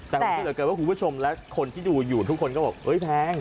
แต่คุณผู้ชมและคนที่ดูอยู่ทุกคนก็บอกเอ้ยแพง